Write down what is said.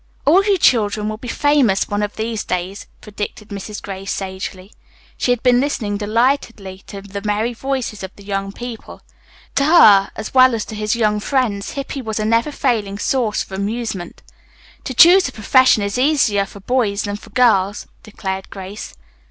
"All you children will be famous one of these days," predicted Mrs. Gray sagely. She had been listening delightedly to the merry voices of the young people. To her, as well as to his young friends, Hippy was a never failing source of amusement. "To choose a profession is easier for boys than for girls," declared Grace.